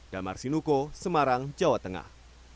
damar sinuko semarang jawa tengah